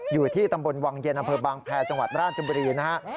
อยู่ที่ตำบลวังเย็นอำเภอบางแพรจังหวัดราชบุรีนะฮะ